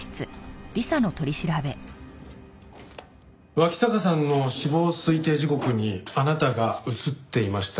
脇坂さんの死亡推定時刻にあなたが映っていました。